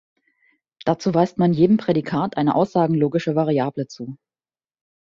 Dazu weist man jedem Prädikat eine aussagenlogische Variable zu.